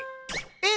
えっ？